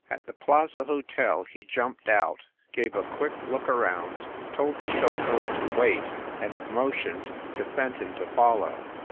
At the Plaza Hotel he jumped out, gave a quick look around, told the chauffeur to wait, and mo tioned to Fenton to follow.